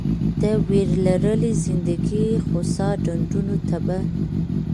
د ویرلړلې زندګي خوسا ډنډونو ته به